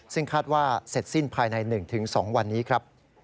ซึ่งคาดว่าเสร็จสิ้นภายใน๑๒วันนี้ครับ